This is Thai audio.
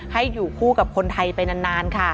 ให้อยู่คู่กับคนไทยไปนานค่ะ